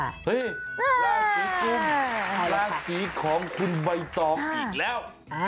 ราศีกุมราศีของคุณใบตองอีกแล้ว